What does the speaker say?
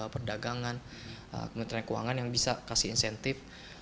perdagangan kementerian keuangan yang bisa kasih insentif